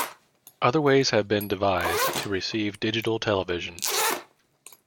Other ways have been devised to receive digital television.